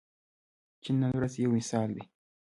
چین نن ورځ یو مثال دی.